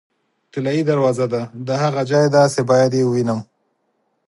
طلایي دروازه ده، دا هغه ځای دی چې باید یې ووینم.